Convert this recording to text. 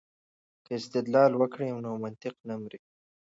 که استدلال وکړو نو منطق نه مري.